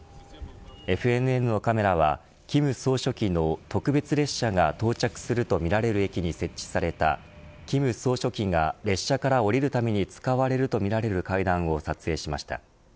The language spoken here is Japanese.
ＦＮＮのカメラは、金総書記の特別列車が到着するとみられる駅に設置された金総書記が列車から降りるために使われるとみられる階段を撮影しました。